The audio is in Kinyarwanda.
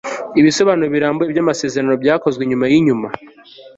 ibisobanuro birambuye byamasezerano byakozwe inyuma yinyuma